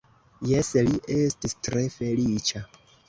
Jes, li estis tre feliĉa.